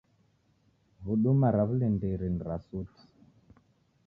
Huduma ra w'ulindiri ni ra suti.